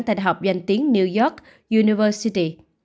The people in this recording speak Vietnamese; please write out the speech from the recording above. tại đại học doanh tiếng new york university